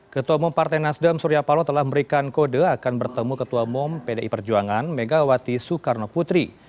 ketua mom partai nasdem suryapalo telah memberikan kode akan bertemu ketua mom pdi perjuangan megawati soekarno putri